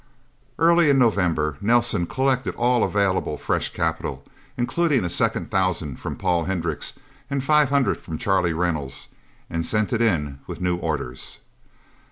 Early in November, Nelsen collected all available fresh capital, including a second thousand from Paul Hendricks and five hundred from Charlie Reynolds, and sent it in with new orders.